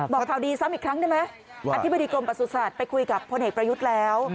ข่าวดีซ้ำอีกครั้งได้ไหมอธิบดีกรมประสุทธิ์ไปคุยกับพลเอกประยุทธ์แล้ว